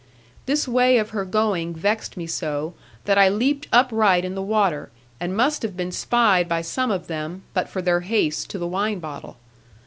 This way of her going vexed me so, that I leaped upright in the water, and must have been spied by some of them, but for their haste to the wine bottle.